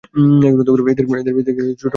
এদের বীজ দেখতে ছোটো আকারের ও চ্যাপ্টা।